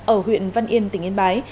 ở huyện văn yên tỉnh yên bái